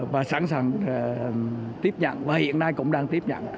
và sẵn sàng tiếp nhận và hiện nay cũng đang tiếp nhận